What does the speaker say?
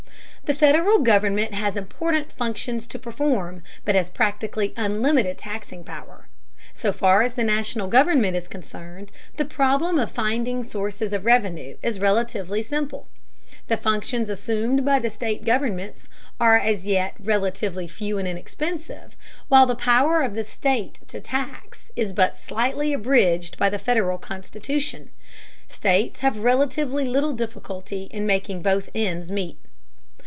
The Federal government has important functions to perform, but has practically unlimited taxing power. So far as the national government is concerned, the problem of finding sources of revenue is relatively simple. The functions assumed by the state governments are as yet relatively few and inexpensive, while the power of the state to tax is but slightly abridged by the Federal Constitution. States have relatively little difficulty in making both ends meet.